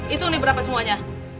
itu berapa ini semuanya